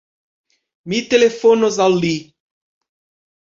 Mi telefonos al li.